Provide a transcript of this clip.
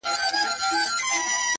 سیاه پوسي ده! خاوري مي ژوند سه!